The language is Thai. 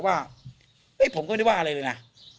จะฝากบอกว่าเอ๊ะผมก็ไม่ได้ว่าอะไรเลยน่ะ